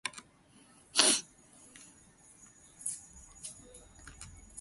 It was on the ancient roads from Istanbul to Pergamum, Sardis, and Ephesus.